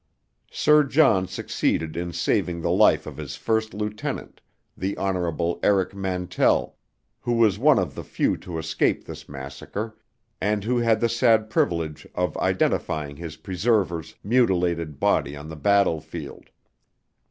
Sir John succeeded in saving the life of his first lieutenant, the Honble. Eric Mantell, who was one of the few to escape this massacre, and who had the sad privilege of identifying his preserver's mutilated body on the battlefield.